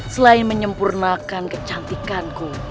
selain menyempurnakan kecantikanku